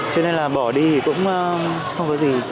cho nên là bỏ đi cũng không có gì